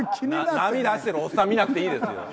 波出してるおっさん見なくていいですよ。